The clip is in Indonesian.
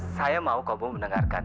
saya mau kamu mendengarkan